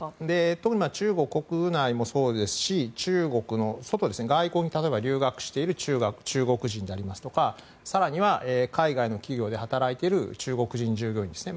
特に中国国内もそうですし中国の外、外国に例えば留学している中国人でありますとか更には海外の企業で働いている中国人従業員ですね。